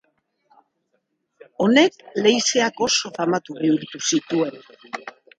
Honek leizeak oso famatu bihurtu zituen.